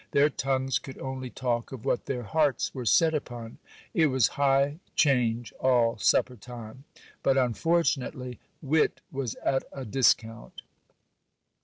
Their tongues could only talk of what their hearts were set upon ; it was high change all supper time ; but unfortunately wit was at a discount.